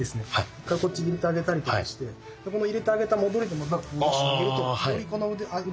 一回こっち入れてあげたりとかしてこの入れてあげた戻りでまた戻してあげるとよりこの腕が下がっていく。